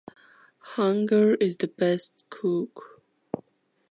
Hunger is the best cook.